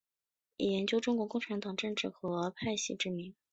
以研究中国共产党政治和派系知名。